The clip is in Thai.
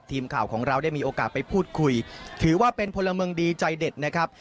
ทีมข่าวของเราได้มีโอกาสไปพูดคุยถือว่าเป็นพลเมืองดีใจเด็ดนะครับ